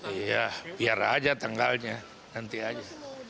iya biar aja tanggalnya nanti aja